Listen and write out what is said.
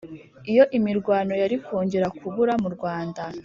iyo imirwano yari kongera kubura mu rwanda.